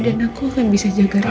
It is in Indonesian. dan aku akan bisa jaga kamu